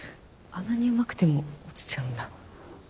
あんなにうまくても落ちちゃうんだ